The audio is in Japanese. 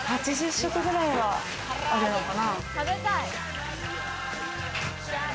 食ぐらいはあるのかな。